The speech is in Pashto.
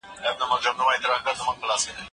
د اسلام دین د عدالت او برابري پيغام دی.